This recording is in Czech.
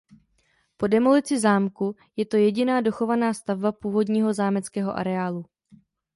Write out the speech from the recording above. Po demolici zámku je to jediná dochovaná stavba původního zámeckého areálu.